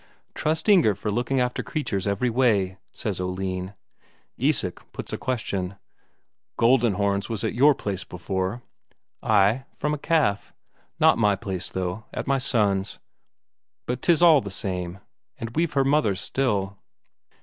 "Trust Inger for looking after creatures every way," says Oline. Isak puts a question: "Goldenhorns was at your place before?" "Ay, from a calf. Not my place, though; at my son's. But 'tis all the same. And we've her mother still."